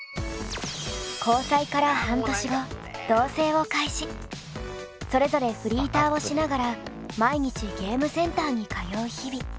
続いてはそれぞれフリーターをしながら毎日ゲームセンターに通う日々。